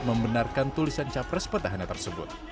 membenarkan tulisan capres petahana tersebut